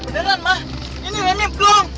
beneran mak ini lemib dong